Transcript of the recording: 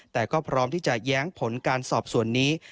แต่ก็พร้อมที่จะแย้งผลการสอบส่วนนี้